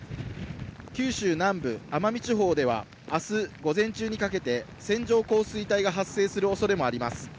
九州南部・奄美地方ではあす午前中にかけて、線状降水帯が発生する恐れもあります。